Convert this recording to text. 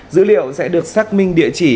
dữ liệu sẽ được xác minh địa chỉ